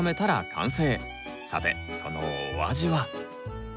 さてそのお味は？